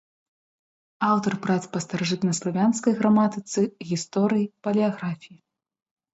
Аўтар прац па старажытнаславянскай граматыцы, гісторыі, палеаграфіі.